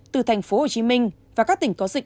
từ thành phố hồ chí minh và các tỉnh có dịch